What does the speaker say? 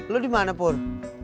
lu di mana pur